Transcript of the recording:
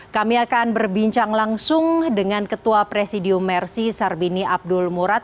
kami akan berbincang langsung dengan ketua presidium mersi sarbini abdul murad